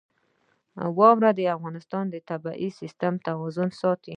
واوره د افغانستان د طبعي سیسټم توازن ساتي.